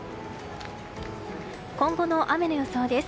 今後の雨の予想です。